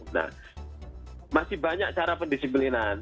nah masih banyak cara pendisiplinan